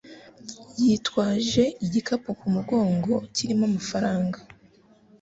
Yitwaje igikapu ku mugongo cyirimo amafaranga.